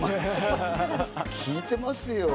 聞いてますよ。